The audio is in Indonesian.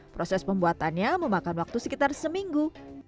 proses pembuatannya memakan waktu sekitar seminggu